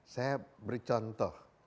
saya beri contoh